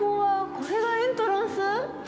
これがエントランス！？